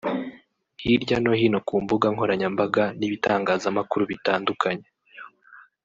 hirya no hino ku mbuga nkoranyambaga n’ibitangazamakuru bitandukanye